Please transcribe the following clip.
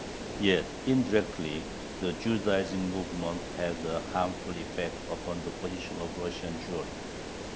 Yet, indirectly, the Judaizing movement had a harmful effect upon the position of Russian Jewry.